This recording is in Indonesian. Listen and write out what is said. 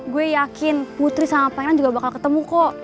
gue yakin putri sama pangeran juga bakal ketemu kok